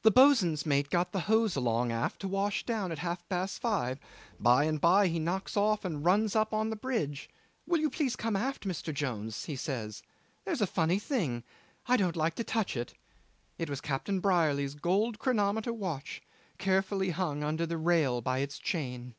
The boat swain's mate got the hose along aft to wash down at half past five; by and by he knocks off and runs up on the bridge 'Will you please come aft, Mr. Jones,' he says. 'There's a funny thing. I don't like to touch it.' It was Captain Brierly's gold chronometer watch carefully hung under the rail by its chain.